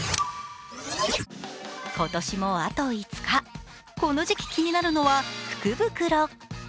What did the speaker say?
今年もあと５日、この時期気になるのは福袋。